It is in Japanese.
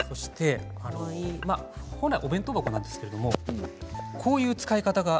本来はお弁当箱なんですがこういう使い方も。